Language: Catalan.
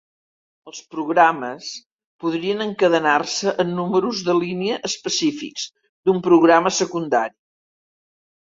Els programes podrien encadenar-se en números de línia específics d'un programa secundari.